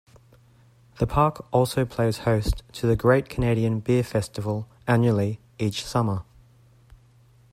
The park also plays host to the Great Canadian Beer Festival annually each summer.